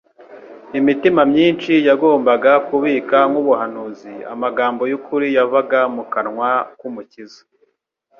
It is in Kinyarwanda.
Imitima myinshi yagombaga kubika nk'ubuhanuzi amagambo y'ukuri yavaga mu kanwa k'Umukiza